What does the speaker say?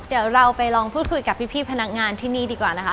เดี๋ยวเราไปลองพูดคุยกับพี่พนักงานที่นี่ดีกว่านะคะ